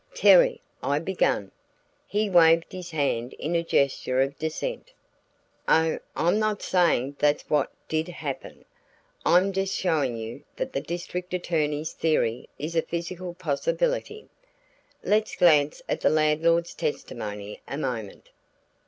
"Terry " I began. He waved his hand in a gesture of dissent. "Oh, I'm not saying that's what did happen. I'm just showing you that the district attorney's theory is a physical possibility. Let's glance at the landlord's testimony a moment.